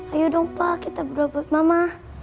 ayo dong pa kita berdoa buat mama